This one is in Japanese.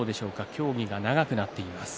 協議が長くなっています。